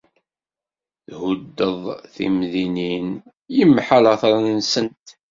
Thuddeḍ timdinin, imḥa later-nsent.